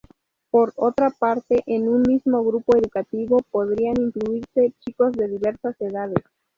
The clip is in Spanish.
Por otra parte, en un mismo grupo educativo podían incluirse chicos de diversas edades.